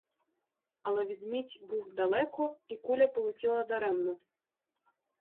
Але ведмідь був далеко, і куля полетіла даремно.